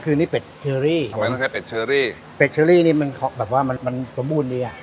คือนี่เป็ดเชอรี่ทำไมไม่ใช่เป็ดเชอรี่เป็ดเชอรี่นี่มันแบบว่ามันมันสมบูรณ์ดีอ่ะ